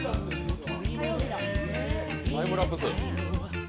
タイムラプス。